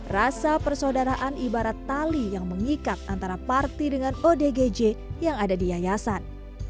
rasa persaudaraan ibarat tali yang mengikat antara parti dengan odgj yang ada di yayasan